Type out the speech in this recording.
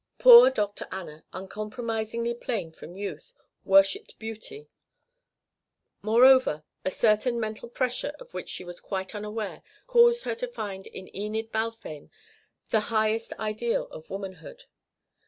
Poor Dr. Anna, uncompromisingly plain from youth, worshipped beauty; moreover, a certain mental pressure of which she was quite unaware caused her to find in Enid Balfame her highest ideal of womanhood.